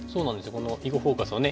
この「囲碁フォーカス」をね